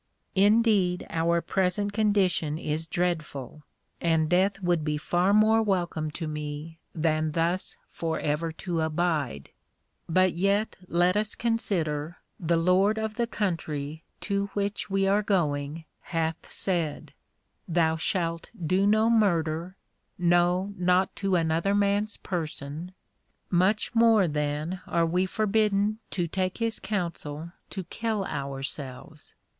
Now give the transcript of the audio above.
Indeed our present condition is dreadful, and death would be far more welcome to me than thus for ever to abide; but yet let us consider, the Lord of the Country to which we are going hath said, Thou shalt do no murder, no not to another man's person; much more then are we forbidden to take his counsel to kill ourselves.